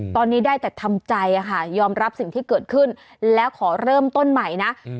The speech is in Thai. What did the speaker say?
ตอนนี้ได้แต่ทำใจค่ะยอมรับสิ่งที่เกิดขึ้นแล้วขอเริ่มต้นใหม่นะ